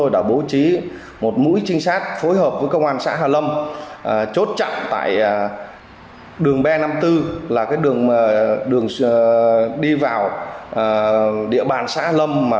rồi một mũi trinh sát là thường xuyên trên tuyến quốc lộ hai mươi